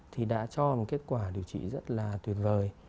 thì đã cho kết quả điều trị rất là tuyệt vời